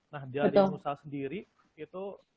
nah dari usaha sendiri itu